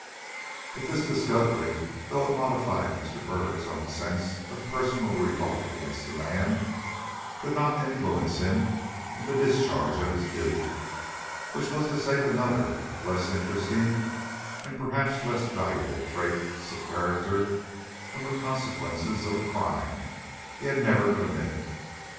But this discovery, though it modified Mr. Byrd's own sense of personal revolt against the man, could not influence him in the discharge of his duty, which was to save another of less interesting and perhaps less valuable traits of character from the consequences of a crime he had never committed.